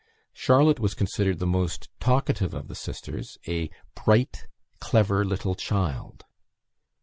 Charlotte was considered the most talkative of the sisters a "bright, clever, little child."